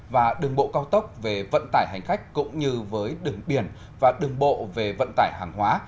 và đường bộ cao tốc về vận tải hành khách cũng như với đường biển và đường bộ về vận tải hàng hóa